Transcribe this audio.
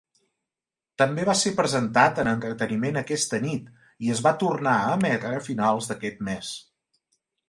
També va ser presentat en "entreteniment aquesta nit" i es va tornar a emetre a finals d'aquest mes.